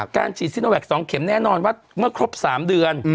การฉีดซิโนแวค๒เข็มแน่นอนว่าเมื่อครบ๓เดือน